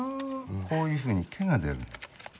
こういうふうに毛が出る。